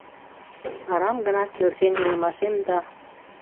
Арам гына келшен илымашем да